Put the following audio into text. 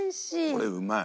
これうまい。